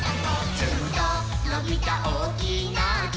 「ヅンとのびたおおきなき」